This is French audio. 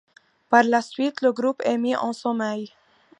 Par la suite, le groupe est mis en sommeil.